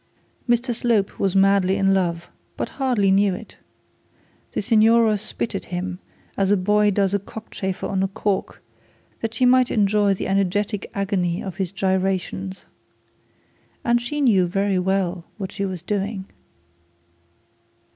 Mr Slope was madly in love, but hardly knew it. The signora spitted him, as a boy does a cockchafer on a cork, that she might enjoy the energetic agony of his gyrations. And she knew very well what she was doing.